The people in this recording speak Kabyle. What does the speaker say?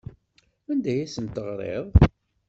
Anda ay asen-teɣriḍ?